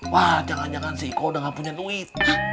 wah jangan jangan sih kok udah gak punya duit